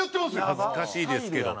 恥ずかしいですけど。